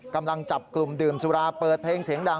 กำลังจับกลุ่มดื่มสุราเปิดเพลงเสียงดัง